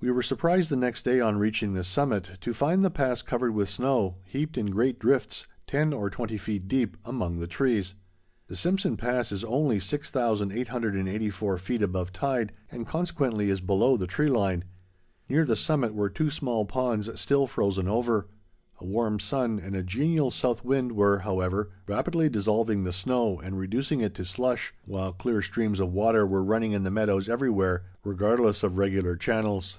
We were surprised the next day, on reaching the summit, to find the pass covered with snow, heaped in great drifts, ten or twenty feet deep, among the trees. The Simpson Pass is only 6884 feet above tide, and, consequently, is below the tree line. Near the summit were two small ponds still frozen over. A warm sun and a genial south wind were, however, rapidly dissolving the snow and reducing it to slush, while clear streams of water were running in the meadows everywhere, regardless of regular channels.